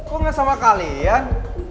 kok gak sama kalian